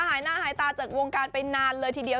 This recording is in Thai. หายหน้าหายตาจากวงการไปนานเลยทีเดียว